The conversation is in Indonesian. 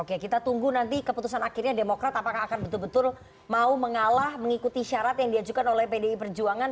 oke kita tunggu nanti keputusan akhirnya demokrat apakah akan betul betul mau mengalah mengikuti syarat yang diajukan oleh pdi perjuangan